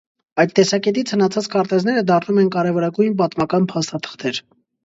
Այդ տեսակետից հնացած քարտեզները դառնում են կարևորագույն պատմական փաստաթղթեր։